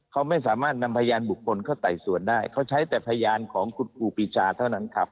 เขาไม่สามารถนำพยานบุคคลเข้าไต่สวนได้เขาใช้แต่พยานของคุณครูปีชาเท่านั้นครับ